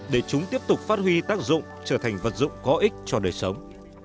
để chúng tiếp tục phát huy tác dụng trở thành vật dụng có ích cho đời sống